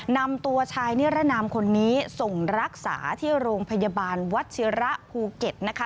นำตัวชายนิรนามคนนี้ส่งรักษาที่โรงพยาบาลวัชิระภูเก็ตนะคะ